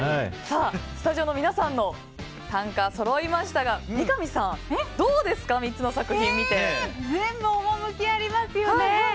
スタジオの皆さんの短歌そろいましたが三上さん、どうですか全部、趣ありますよね。